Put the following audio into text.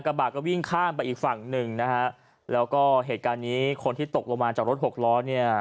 กระบะก็วิ่งข้ามไปอีกฝั่งหนึ่งนะฮะแล้วก็เหตุการณ์นี้คนที่ตกลงมาจากรถหกล้อเนี่ย